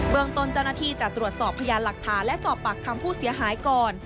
ตนเจ้าหน้าที่จะตรวจสอบพยานหลักฐานและสอบปากคำผู้เสียหายก่อน